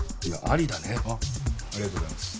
ありがとうございます。